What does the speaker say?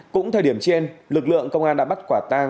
cũng thời điểm trên lực lượng công an đã bắt quả tang